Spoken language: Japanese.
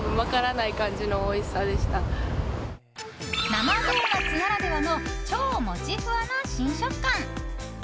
生ドーナツならではの超もちふわな新食感。